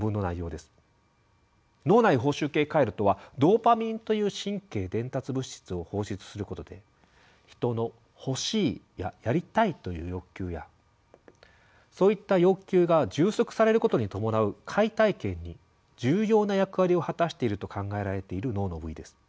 脳内報酬系回路とはドーパミンという神経伝達物質を放出することで人の「欲しい」や「やりたい」という欲求やそういった欲求が充足されることに伴う快体験に重要な役割を果たしていると考えられている脳の部位です。